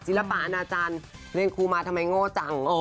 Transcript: ธิรปะนาจันทร์เล่นครูมา๊ดทำไมโง่จัง